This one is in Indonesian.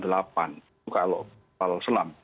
itu kalau kapal selam